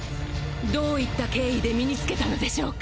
どういった経緯で身につけたのでしょうか！？